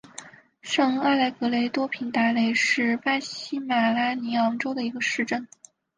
上阿莱格雷多平达雷是巴西马拉尼昂州的一个市镇。